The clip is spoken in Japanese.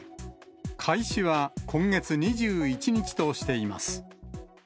開始は今月２１日としています。